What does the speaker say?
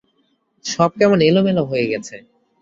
সব কেমন এলোমেলো হয়ে গেছে!